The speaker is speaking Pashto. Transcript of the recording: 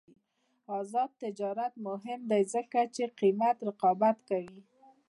آزاد تجارت مهم دی ځکه چې قیمت رقابت کوي.